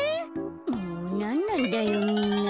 もうなんなんだよみんな。